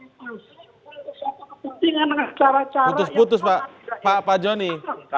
itu satu kepentingan cara cara yang sangat tidak bisa diangkat